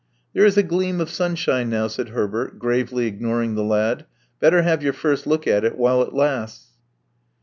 There is a gleam of sunshine now," said Herbert, gravely ignoring the lad. Better have your first look at it while it lasts.'